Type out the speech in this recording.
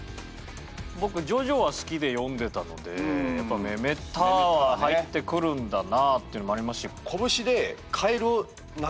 僕「ジョジョ」は好きで読んでたのでやっぱ「メメタァ」は入ってくるんだなあっていうのもありますし。